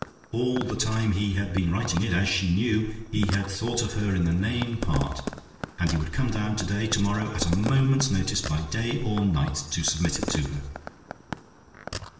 All the time he had been writing it, as she knew, he had thought of her in the name part and he would come down today, tomorrow, at a moment's notice by day or night to submit it to her.